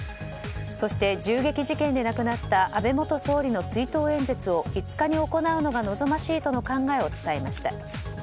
そして銃撃事件で亡くなった安倍元総理の追悼演説を５日に行うのが望ましいとの考えを伝えました。